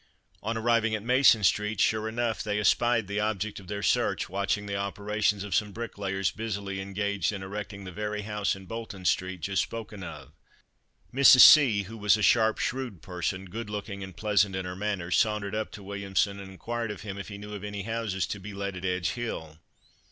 On arriving at Mason street, sure enough, they espied the object of their search watching the operations of some bricklayers busily engaged in erecting the very house in Bolton street just spoken of. Mrs. C , who was a sharp, shrewd person, good looking and pleasant in her manners, sauntered up to Williamson and inquired of him if he knew of any houses to be let at Edge hill.